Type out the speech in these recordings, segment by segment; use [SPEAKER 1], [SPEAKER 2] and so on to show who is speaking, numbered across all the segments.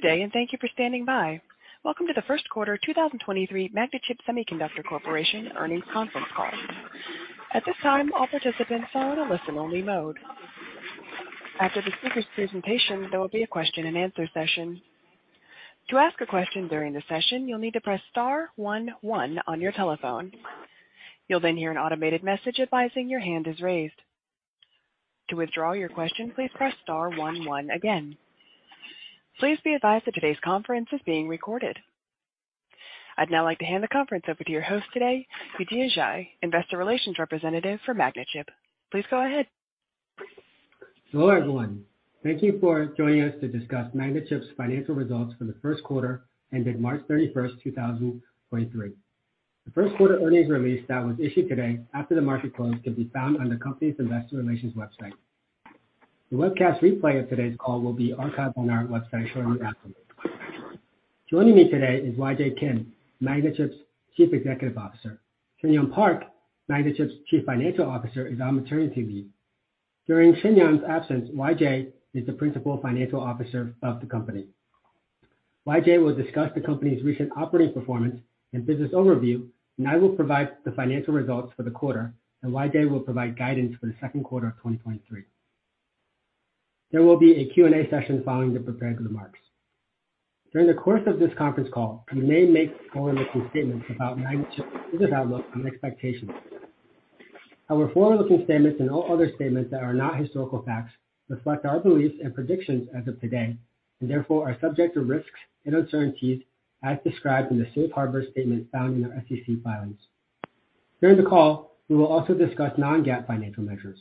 [SPEAKER 1] Good day, and thank you for standing by. Welcome to the 1st quarter 2023 MagnaChip Semiconductor Corporation earnings conference call. At this time, all participants are in a listen-only mode. After the speaker's presentation, there will be a question-and-answer session. To ask a question during the session, you'll need to press star 11 on your telephone. You'll then hear an automated message advising your hand is raised. To withdraw your question, please press star 11 again. Please be advised that today's conference is being recorded. I'd now like to hand the conference over to your host today, Yujia Zhai, investor relations representative for MagnaChip. Please go ahead.
[SPEAKER 2] Hello, everyone. Thank you for joining us to discuss MagnaChip's financial results for the first quarter ending March 31st, 2023. The first quarter earnings release that was issued today after the market close can be found on the company's investor relations website. The webcast replay of today's call will be archived on our website shortly after. Joining me today is YJ Kim, MagnaChip's Chief Executive Officer. Shinyoung Park, MagnaChip's Chief Financial Officer, is on maternity leave. During Shinyoung's absence, YJ is the Principal Financial Officer of the company. YJ will discuss the company's recent operating performance and business overview. I will provide the financial results for the quarter. YJ will provide guidance for the second quarter of 2023. There will be a Q&A session following the prepared remarks. During the course of this conference call, we may make forward-looking statements about MagnaChip's business outlook and expectations. Our forward-looking statements and all other statements that are not historical facts reflect our beliefs and predictions as of today. Therefore, are subject to risks and uncertainties as described in the safe harbor statement found in our SEC filings. During the call, we will also discuss non-GAAP financial measures.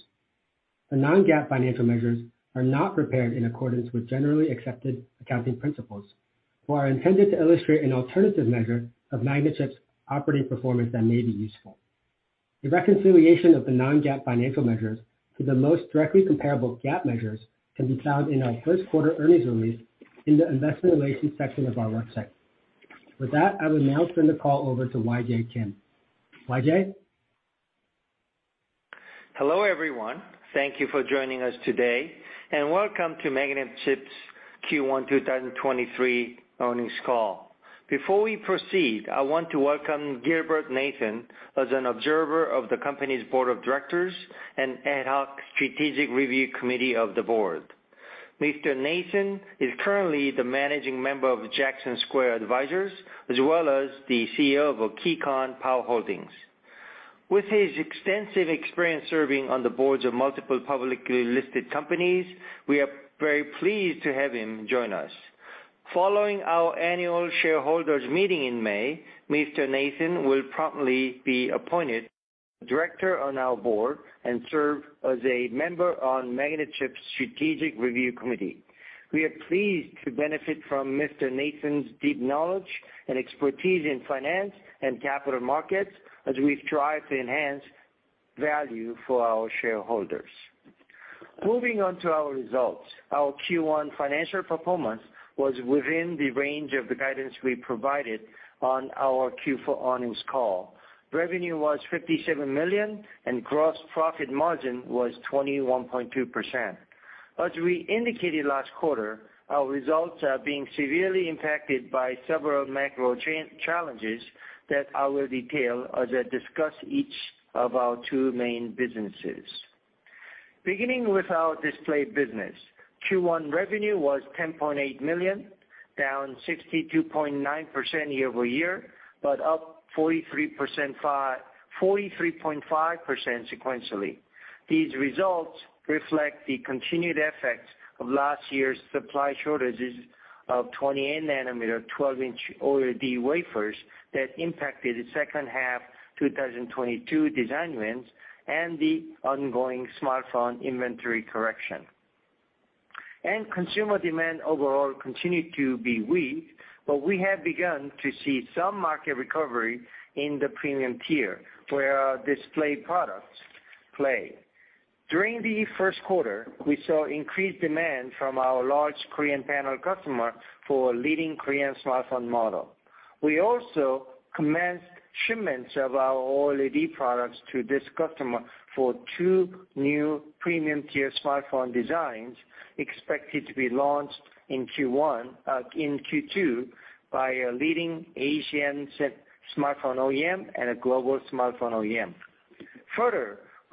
[SPEAKER 2] The non-GAAP financial measures are not prepared in accordance with generally accepted accounting principles. Are intended to illustrate an alternative measure of MagnaChip's operating performance that may be useful. A reconciliation of the non-GAAP financial measures to the most directly comparable GAAP measures can be found in our first quarter earnings release in the investor relations section of our website. With that, I will now turn the call over to YJ Kim. YJ?
[SPEAKER 3] Hello, everyone. Thank you for joining us today, and welcome to MagnaChip's Q1 2023 earnings call. Before we proceed, I want to welcome Gilbert Nathan as an observer of the company's board of directors and ad hoc strategic review committee of the board. Mr. Nathan is currently the managing member of Jackson Square Advisors, as well as the CEO of KeyCon Power Holdings. With his extensive experience serving on the boards of multiple publicly listed companies, we are very pleased to have him join us. Following our annual shareholders meeting in May, Mr. Nathan will promptly be appointed director on our board and serve as a member on MagnaChip's strategic review committee. We are pleased to benefit from Mr. Nathan's deep knowledge and expertise in finance and capital markets as we strive to enhance value for our shareholders. Moving on to our results. Our Q1 financial performance was within the range of the guidance we provided on our Q4 earnings call. Revenue was $57 million, and gross profit margin was 21.2%. As we indicated last quarter, our results are being severely impacted by several macro challenges that I will detail as I discuss each of our two main businesses. Beginning with our display business. Q1 revenue was $10.8 million, down 62.9% year-over-year, but up 43.5% sequentially. These results reflect the continued effects of last year's supply shortages of 20-nanometer 12-inch OLED wafers that impacted the second half 2022 design wins and the ongoing smartphone inventory correction. Consumer demand overall continued to be weak, but we have begun to see some market recovery in the premium tier where our display products play. During the first quarter, we saw increased demand from our large Korean panel customer for a leading Korean smartphone model. We also commenced shipments of our OLED products to this customer for two new premium-tier smartphone designs expected to be launched in Q2 by a leading Asian smartphone OEM and a global smartphone OEM. We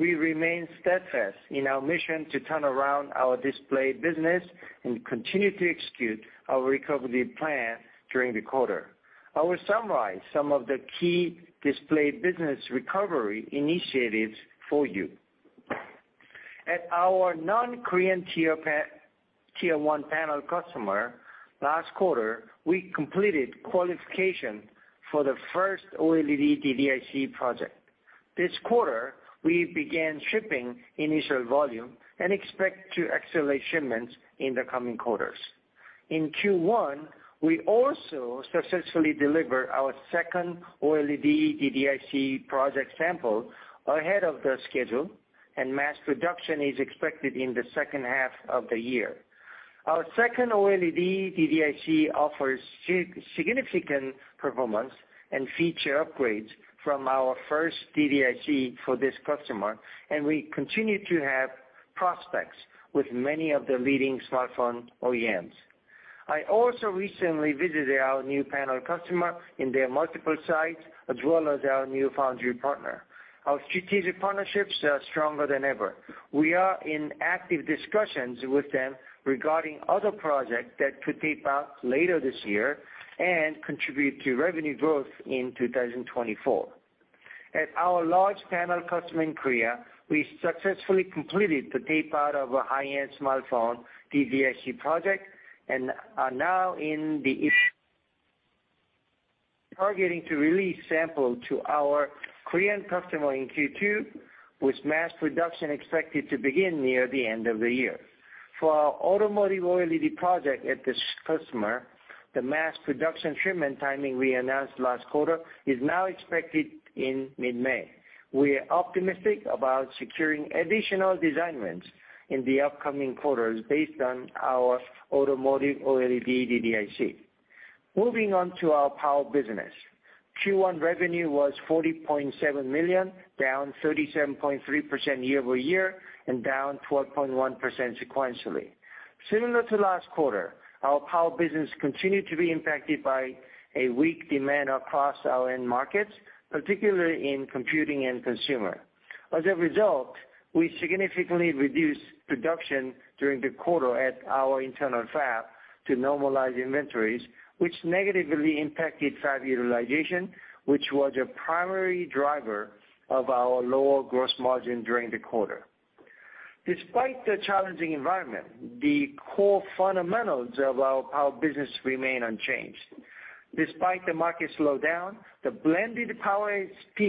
[SPEAKER 3] remain steadfast in our mission to turn around our display business and continue to execute our recovery plan during the quarter. I will summarize some of the key display business recovery initiatives for you. At our non-Korean tier one panel customer last quarter, we completed qualification for the first OLED DDIC project. This quarter, we began shipping initial volume and expect to accelerate shipments in the coming quarters. In Q1, we also successfully delivered our second OLED DDIC project sample ahead of the schedule. Mass production is expected in the second half of the year. Our second OLED DDIC offers significant performance and feature upgrades from our first DDIC for this customer. We continue to have prospects with many of the leading smartphone OEMs. I also recently visited our new panel customer in their multiple sites, as well as our new foundry partner. Our strategic partnerships are stronger than ever. We are in active discussions with them regarding other projects that could tape out later this year and contribute to revenue growth in 2024. At our large panel customer in Korea, we successfully completed the tape out of a high-end smartphone DDIC project and are now in the targeting to release sample to our Korean customer in Q2, with mass production expected to begin near the end of the year. For our automotive OLED project at this customer, the mass production shipment timing we announced last quarter is now expected in mid-May. We are optimistic about securing additional design wins in the upcoming quarters based on our automotive OLED DDIC. Moving on to our power business. Q1 revenue was $40.7 million, down 37.3% year-over-year and down 12.1% sequentially. Similar to last quarter, our power business continued to be impacted by a weak demand across our end markets, particularly in computing and consumer. As a result, we significantly reduced production during the quarter at our internal fab to normalize inventories, which negatively impacted fab utilization, which was a primary driver of our lower gross margin during the quarter. Despite the challenging environment, the core fundamentals of our power business remain unchanged. Despite the market slowdown, the blended power ASP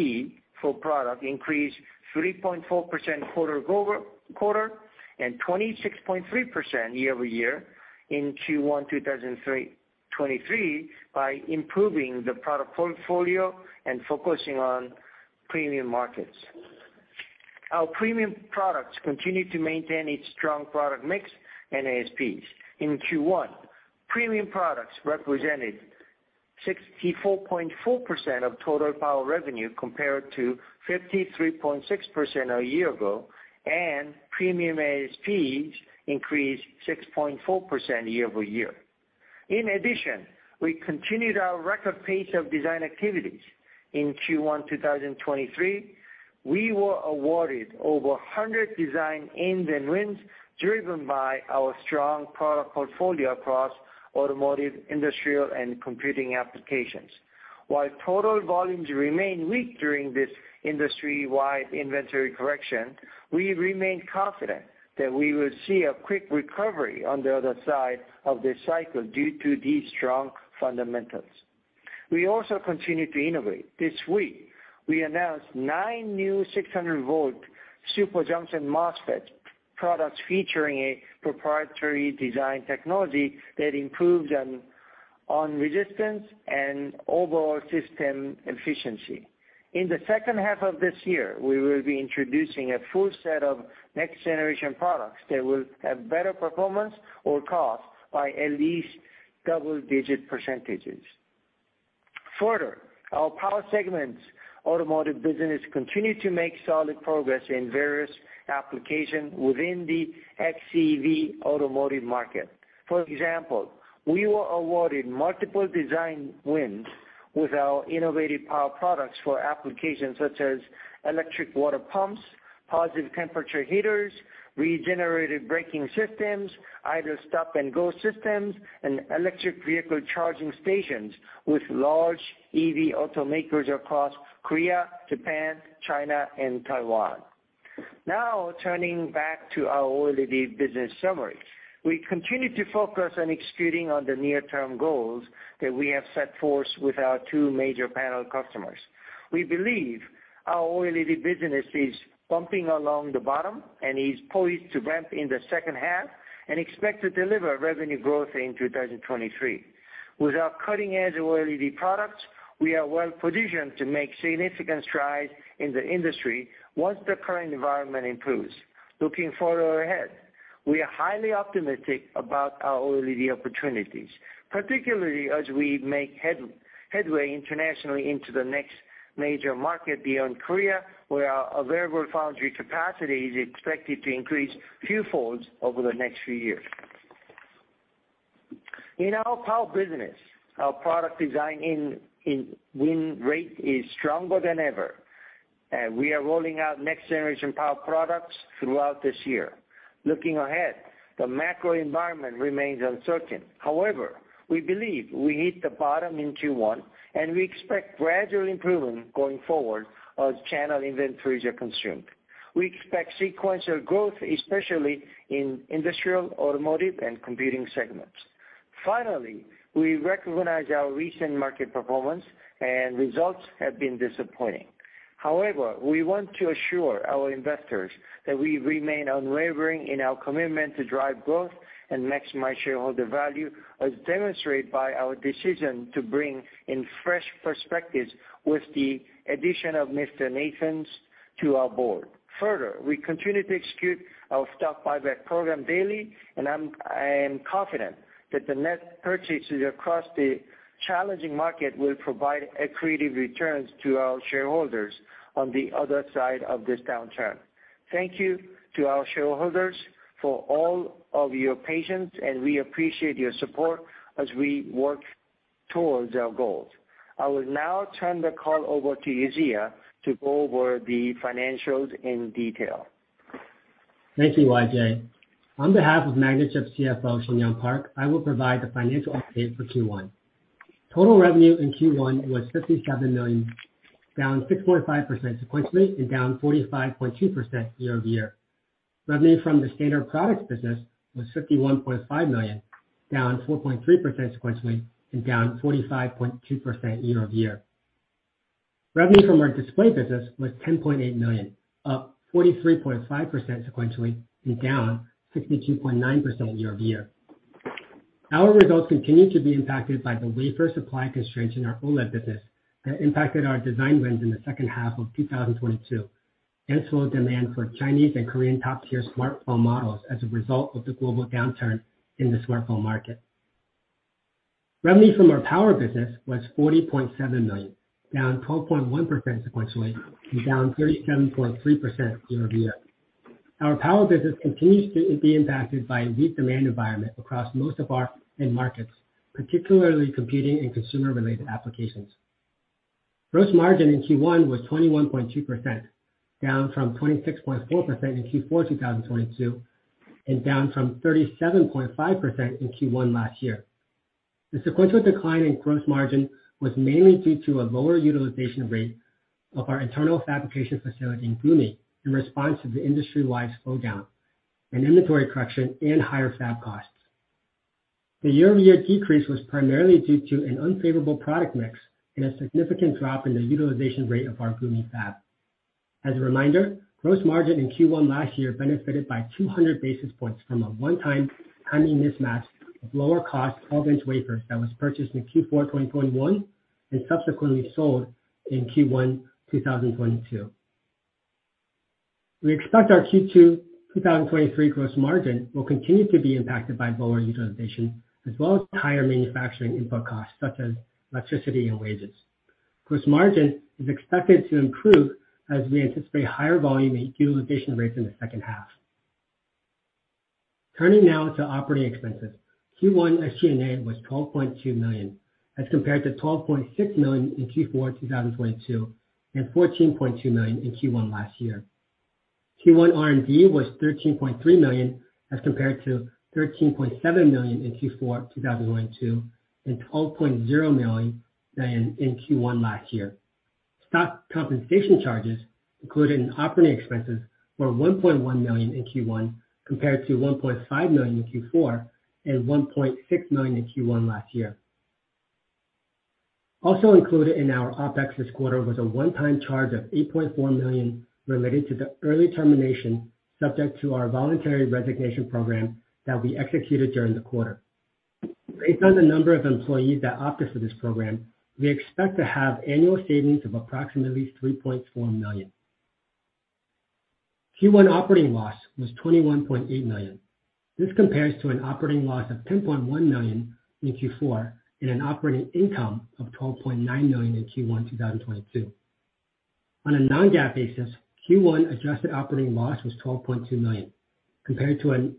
[SPEAKER 3] for product increased 3.4% quarter-over-quarter and 26.3% year-over-year in Q1 2023 by improving the product portfolio and focusing on premium markets. Our premium products continued to maintain its strong product mix and ASPs. In Q1, premium products represented 64.4% of total power revenue compared to 53.6% a year ago, and premium ASPs increased 6.4% year-over-year. We continued our record pace of design activities. In Q1 2023, we were awarded over 100 design in and wins, driven by our strong product portfolio across automotive, industrial, and computing applications. While total volumes remain weak during this industry-wide inventory correction, we remain confident that we will see a quick recovery on the other side of this cycle due to these strong fundamentals. We also continue to innovate. This week, we announced 9 new 600 volt super junction MOSFET products featuring a proprietary design technology that improves on resistance and overall system efficiency. In the second half of this year, we will be introducing a full set of next-generation products that will have better performance or cost by at least double-digit %. Our power segment's automotive business continued to make solid progress in various applications within the XEV automotive market. For example, we were awarded multiple design wins with our innovative power products for applications such as electric water pumps, positive temperature heaters, regenerative braking systems, idle stop and go systems, and electric vehicle charging stations with large EV automakers across Korea, Japan, China and Taiwan. Turning back to our OLED business summary. We continue to focus on executing on the near-term goals that we have set forth with our two major panel customers. We believe our OLED business is bumping along the bottom and is poised to ramp in the second half and expect to deliver revenue growth in 2023. With our cutting-edge OLED products, we are well positioned to make significant strides in the industry once the current environment improves. Looking further ahead, we are highly optimistic about our OLED opportunities, particularly as we make headway internationally into the next major market beyond Korea, where our available foundry capacity is expected to increase few folds over the next few years. In our power business, our product design in win rate is stronger than ever, and we are rolling out next generation power products throughout this year. Looking ahead, the macro environment remains uncertain. We believe we hit the bottom in Q1, and we expect gradual improvement going forward as channel inventories are consumed. We expect sequential growth, especially in industrial, automotive, and computing segments. We recognize our recent market performance and results have been disappointing. However, we want to assure our investors that we remain unwavering in our commitment to drive growth and maximize shareholder value, as demonstrated by our decision to bring in fresh perspectives with the addition of Mr. Nathan to our board. Further, we continue to execute our stock buyback program daily, and I am confident that the net purchases across the challenging market will provide accretive returns to our shareholders on the other side of this downturn. Thank you to our shareholders for all of your patience, and we appreciate your support as we work towards our goals. I will now turn the call over to Yujia Zhai to go over the financials in detail.
[SPEAKER 2] Thank you, YJ. On behalf of MagnaChip CFO, Shinyoung Park, I will provide the financial update for Q1. Total revenue in Q1 was $57 million, down 6.5% sequentially, and down 45.2% year-over-year. Revenue from the standard products business was $51.5 million, down 4.3% sequentially, and down 45.2% year-over-year. Revenue from our display business was $10.8 million, up 43.5% sequentially, and down 62.9% year-over-year. Our results continued to be impacted by the wafer supply constraints in our OLED business that impacted our design wins in the second half of 2022. Hence, lower demand for Chinese and Korean top-tier smartphone models as a result of the global downturn in the smartphone market. Revenue from our Power business was $40.7 million, down 12.1% sequentially, and down 37.3% year-over-year. Our Power business continues to be impacted by weak demand environment across most of our end markets, particularly computing and consumer-related applications. Gross margin in Q1 was 21.2%, down from 26.4% in Q4 2022, and down from 37.5% in Q1 last year. The sequential decline in gross margin was mainly due to a lower utilization rate of our internal fabrication facility in Gumi, in response to the industry-wide slowdown and inventory correction and higher fab costs. The year-over-year decrease was primarily due to an unfavorable product mix and a significant drop in the utilization rate of our Gumi fab. As a reminder, gross margin in Q1 last year benefited by 200 basis points from a one-time timing mismatch of lower cost 12-inch wafers that was purchased in Q4 2021 and subsequently sold in Q1 2022. We expect our Q2 2023 gross margin will continue to be impacted by lower utilization as well as higher manufacturing input costs such as electricity and wages. Gross margin is expected to improve as we anticipate higher volume and utilization rates in the second half. Turning now to operating expenses. Q1 SG&A was $12.2 million as compared to $12.6 million in Q4 2022, and $14.2 million in Q1 last year. Q1 R&D was $13.3 million as compared to $13.7 million in Q4 2022, and $12.0 million in Q1 last year. Stock compensation charges included in operating expenses were $1.1 million in Q1, compared to $1.5 million in Q4, and $1.6 million in Q1 last year. Included in our OpEx this quarter was a one-time charge of $8.4 million related to the early termination subject to our voluntary resignation program that we executed during the quarter. Based on the number of employees that opted for this program, we expect to have annual savings of approximately $3.4 million. Q1 operating loss was $21.8 million. This compares to an operating loss of $10.1 million in Q4, and an operating income of $12.9 million in Q1 2022. On a non-GAAP basis, Q1 adjusted operating loss was $12.2 million, compared to an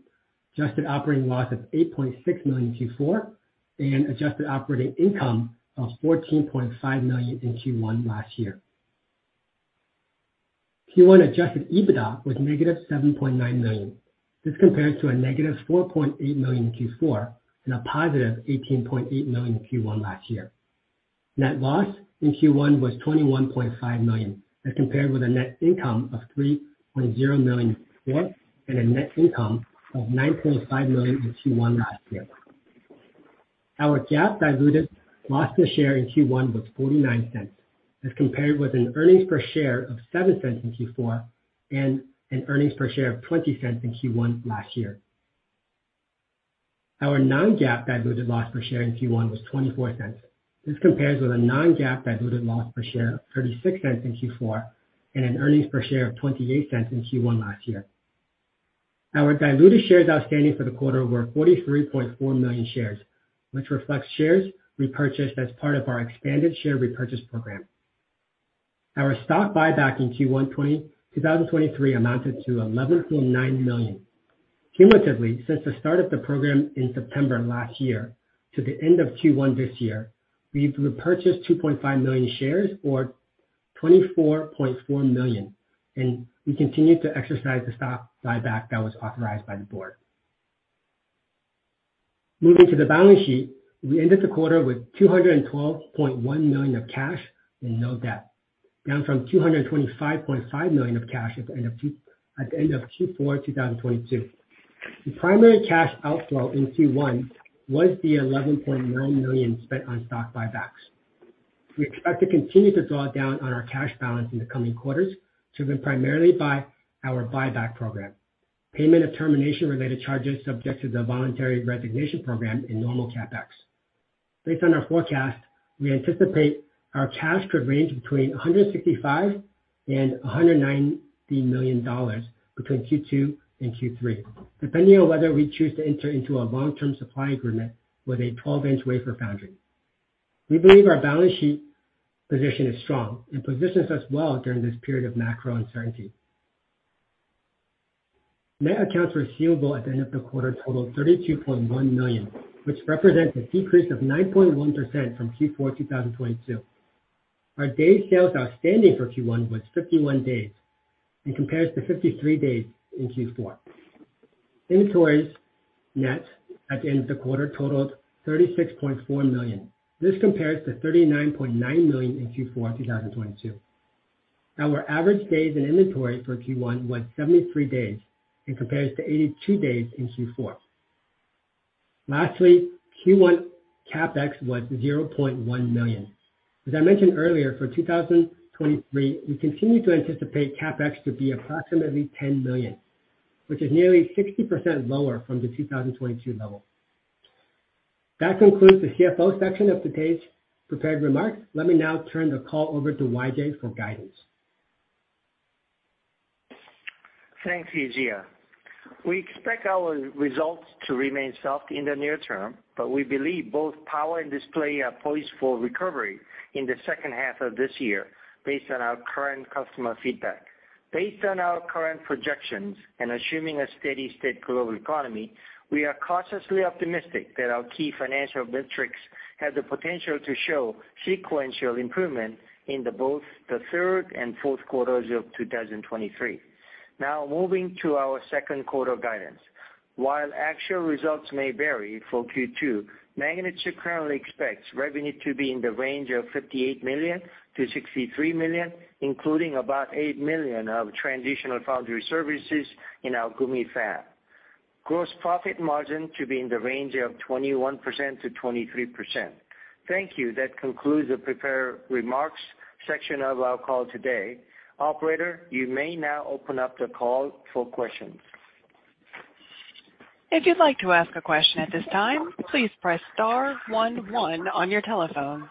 [SPEAKER 2] adjusted operating loss of $8.6 million in Q4, and an adjusted operating income of $14.5 million in Q1 last year. Q1 adjusted EBITDA was -$7.9 million. This compares to a -$4.8 million in Q4, and a +$18.8 million in Q1 last year. Net loss in Q1 was $21.5 million, as compared with a net income of $3.0 million in Q4, and a net income of $9.5 million in Q1 last year. Our GAAP diluted loss per share in Q1 was $0.49, as compared with an earnings per share of $0.07 in Q4, and an earnings per share of $0.20 in Q1 last year. Our non-GAAP diluted loss per share in Q1 was $0.24. This compares with a non-GAAP diluted loss per share of $0.36 in Q4, and an earnings per share of $0.28 in Q1 last year. Our diluted shares outstanding for the quarter were 43.4 million shares, which reflects shares repurchased as part of our expanded share repurchase program. Our stock buyback in Q1 2023 amounted to $11.9 million. Cumulatively, since the start of the program in September last year to the end of Q1 this year, we've repurchased 2.5 million shares or $24.4 million. We continue to exercise the stock buyback that was authorized by the board. Moving to the balance sheet. We ended the quarter with $212.1 million of cash and no debt, down from $225.5 million of cash at the end of Q4 2022. The primary cash outflow in Q1 was the $11.9 million spent on stock buybacks. We expect to continue to draw down on our cash balance in the coming quarters, driven primarily by our buyback program, payment of termination-related charges subject to the voluntary resignation program in normal CapEx. Based on our forecast, we anticipate our cash could range between $165 million and $190 million between Q2 and Q3, depending on whether we choose to enter into a long-term supply agreement with a 12-inch wafer foundry. We believe our balance sheet position is strong and positions us well during this period of macro uncertainty. Net accounts receivable at the end of the quarter totaled $32.1 million, which represents a decrease of 9.1% from Q4 2022. Our day sales outstanding for Q1 was 51 days and compares to 53 days in Q4. Inventories net at the end of the quarter totaled $36.4 million. This compares to $39.9 million in Q4 2022. Our average days in inventory for Q1 was 73 days and compares to 82 days in Q4. Lastly, Q1 CapEx was $0.1 million. As I mentioned earlier, for 2023, we continue to anticipate CapEx to be approximately $10 million, which is nearly 60% lower from the 2022 level. That concludes the CFO section of today's prepared remarks. Let me now turn the call over to YJ for guidance.
[SPEAKER 3] Thanks, Yujia. We expect our results to remain soft in the near term, we believe both power and display are poised for recovery in the second half of this year based on our current customer feedback. Based on our current projections and assuming a steady-state global economy, we are cautiously optimistic that our key financial metrics have the potential to show sequential improvement in the both the third and fourth quarters of 2023. Moving to our second quarter guidance. While actual results may vary for Q2, MagnaChip currently expects revenue to be in the range of $58 million-$63 million, including about $8 million of transitional foundry services in our Gumi fab. Gross profit margin to be in the range of 21%-23%. Thank you. That concludes the prepared remarks section of our call today. Operator, you may now open up the call for questions.
[SPEAKER 1] If you'd like to ask a question at this time, please press star one one on your telephone.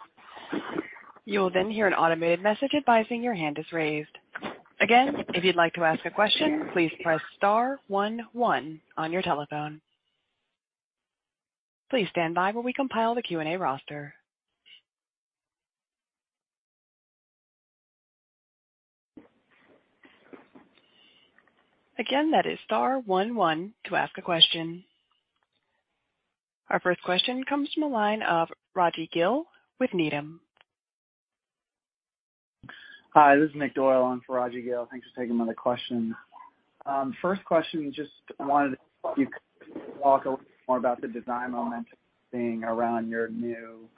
[SPEAKER 1] You will then hear an automated message advising your hand is raised. If you'd like to ask a question, please press star one one on your telephone. Please stand by while we compile the Q&A roster. That is star one one to ask a question. Our first question comes from the line of Raji Gill with Needham.
[SPEAKER 4] Hi, this is Nick Doyle in for Raji Gill. Thanks for taking my question. First question, just wanted you to talk a little more about the design momentum thing around your new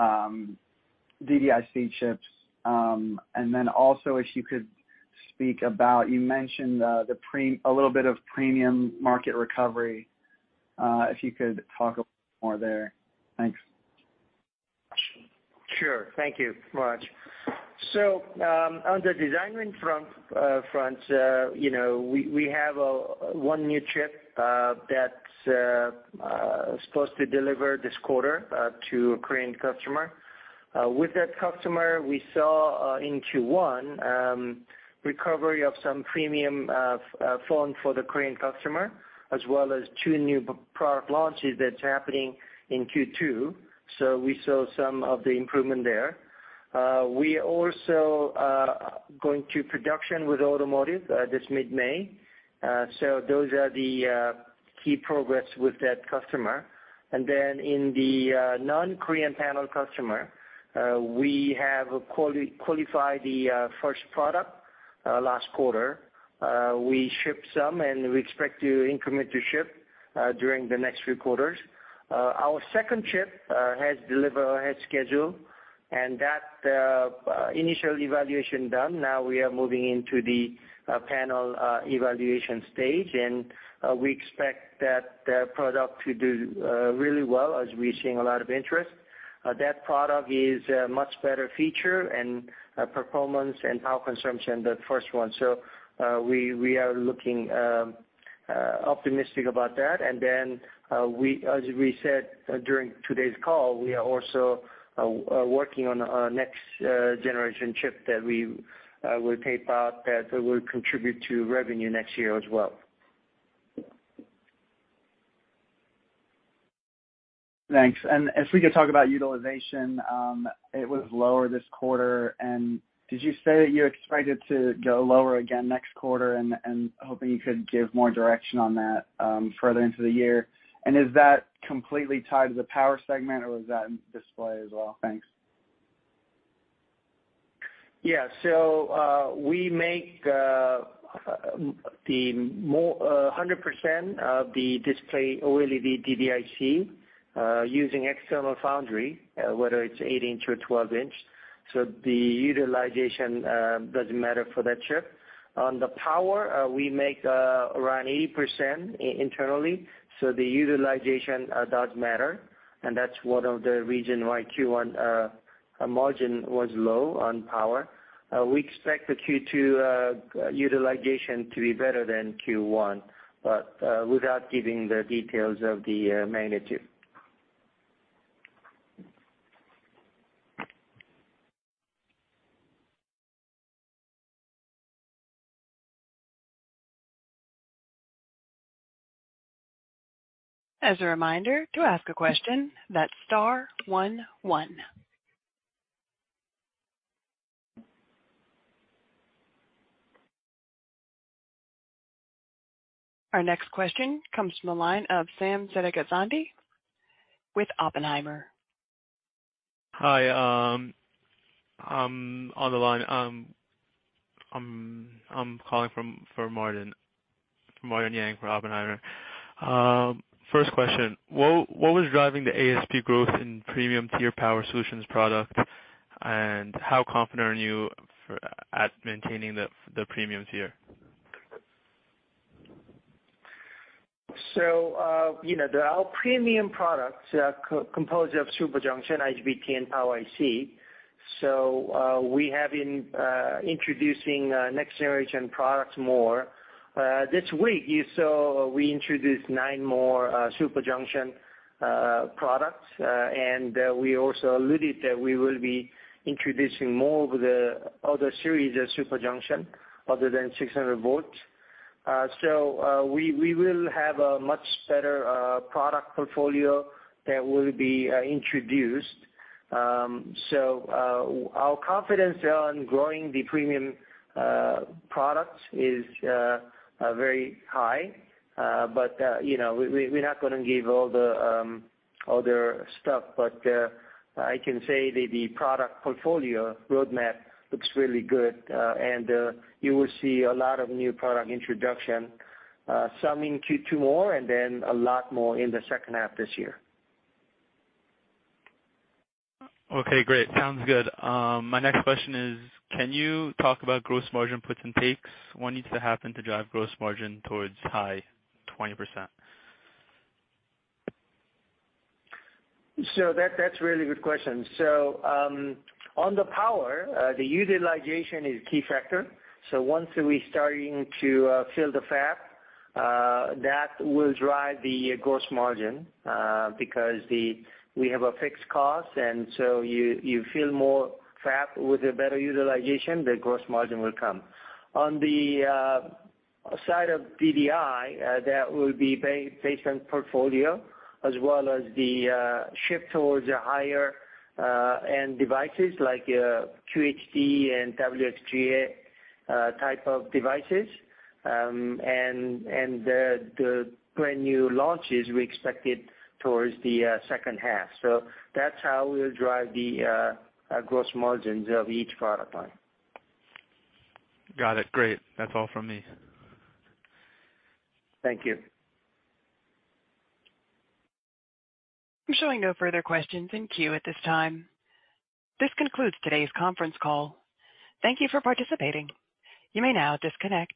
[SPEAKER 4] DDIC chips. If you could speak about, you mentioned, a little bit of premium market recovery, if you could talk a little more there. Thanks.
[SPEAKER 3] Sure. Thank you, Raj. On the design win front, you know, we have one new chip that's supposed to deliver this quarter to a Korean customer. With that customer, we saw in Q1 recovery of some premium phone for the Korean customer, as well as two new product launches that's happening in Q2. We saw some of the improvement there. We also going to production with automotive this mid-May. Those are the key progress with that customer. Then in the non-Korean panel customer, we have qualified the first product last quarter. We shipped some, and we expect to increment the ship during the next few quarters. Our second chip has delivered ahead schedule and that initial evaluation done. Now we are moving into the panel evaluation stage, and we expect that the product to do really well as we're seeing a lot of interest. That product is a much better feature and performance and power consumption than the first one. We are looking optimistic about that. We, as we said during today's call, we are also working on a next generation chip that we will tape out that will contribute to revenue next year as well.
[SPEAKER 4] Thanks. If we could talk about utilization, it was lower this quarter. Did you say that you expect it to go lower again next quarter? Hoping you could give more direction on that, further into the year. Is that completely tied to the power segment or was that in display as well? Thanks.
[SPEAKER 3] Yeah. We make the more 100% of the display OLED DDIC using external foundry, whether it's 8 inch or 12 inch. The utilization doesn't matter for that chip. On the Power, we make around 80% internally, so the utilization does matter, and that's one of the reason why Q1 Our margin was low on Power. We expect the Q2 utilization to be better than Q1, but without giving the details of the magnitude.
[SPEAKER 1] As a reminder, to ask a question, that's star one one. Our next question comes from the line of Sam Zediga Zandi with Oppenheimer.
[SPEAKER 5] Hi. I'm on the line. I'm calling from, for Martin Yang from Oppenheimer. First question. What was driving the ASP growth in premium tier power solutions product, and how confident are you at maintaining the premium tier?
[SPEAKER 3] You know, our premium products are co-composed of Super Junction, IGBT, and Power IC. We have been introducing next-generation products more. This week, you saw we introduced 9 more Super Junction products. We also alluded that we will be introducing more of the other series of Super Junction other than 600 volts. We will have a much better product portfolio that will be introduced. Our confidence on growing the premium products is very high. You know, we're not gonna give all the other stuff, but I can say that the product portfolio roadmap looks really good, and you will see a lot of new product introduction, some in Q2 more and then a lot more in the second half this year.
[SPEAKER 6] Great. Sounds good. My next question is, can you talk about gross margin puts and takes? What needs to happen to drive gross margin towards high 20%?
[SPEAKER 3] That's a really good question. On the power, the utilization is key factor. Once we starting to fill the fab, that will drive the gross margin, because we have a fixed cost, and so you fill more fab with a better utilization, the gross margin will come. On the side of DDIC, that will be based on portfolio as well as the shift towards higher end devices like QHD and WXGA type of devices. And the brand new launches we expected towards the second half. That's how we'll drive the gross margins of each product line.
[SPEAKER 6] Got it. Great. That's all from me.
[SPEAKER 3] Thank you.
[SPEAKER 1] I'm showing no further questions in queue at this time. This concludes today's conference call. Thank you for participating. You may now disconnect.